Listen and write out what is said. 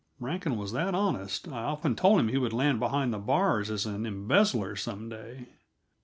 Rankin was that honest I often told him he would land behind the bars as an embezzler some day.